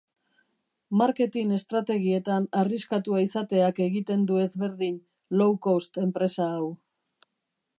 Marketing estrategietan arriskatua izateak egiten du ezberdin low cost enpresa hau.